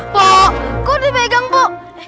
kok dipegang po